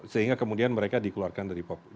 sehingga kemudian mereka dikeluarkan dari pop